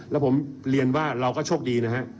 แล้วผมเรียนว่าเราก็โชคดีนะฮะ